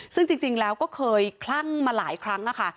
ซึ่งจริงแล้วก็เคยคลั่งมาหลายครั้งค่ะ